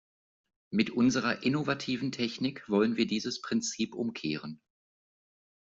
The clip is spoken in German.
Mit unserer innovativen Technik wollen wir dieses Prinzip umkehren.